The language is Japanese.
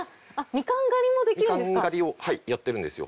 みかん狩りをやってるんですよ。